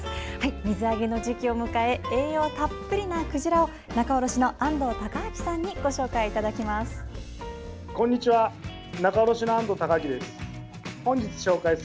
水揚げの時期を迎え栄養たっぷりなクジラを仲卸の安藤尊章さんにご紹介いただきます。